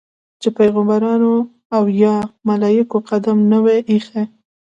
چې پیغمبرانو او یا ملایکو قدم نه وي ایښی.